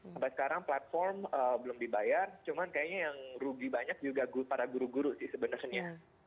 sampai sekarang platform belum dibayar cuman kayaknya yang rugi banyak juga para guru guru sih sebenarnya